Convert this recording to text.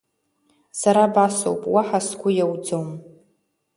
Сара абасоуп, уаҳа сгәы иауӡом.